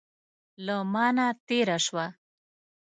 له مانه تېره شوه.